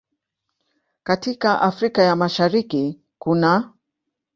Katika Afrika ya Mashariki kunaː